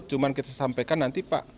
cuma kita sampaikan nanti pak